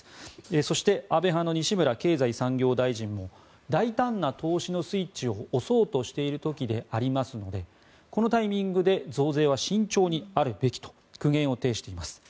そして安倍派の西村経済産業大臣も大胆な投資のスイッチを押そうとしている時でありますのでこのタイミングで増税は慎重にあるべきと苦言を呈しています。